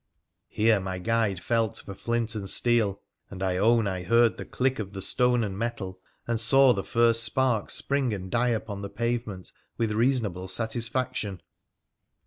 Here my guide felt for flint and steel, and I own I heard the click of the stone and metal, and saw the first sparks spring and die upon the pavement, with reasonable satisfaction.